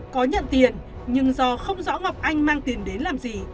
có nhận tiền nhưng do không rõ ngọc anh mang tìm đến làm gì